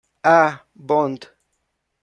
A. Bond.